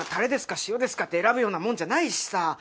塩ですかって選ぶようなもんじゃないしさぁ。